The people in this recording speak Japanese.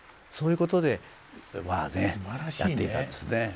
そういうことでまあねやっていたんですね。